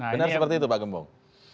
benar seperti itu pak gembong